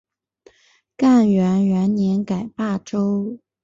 干元元年改霸州。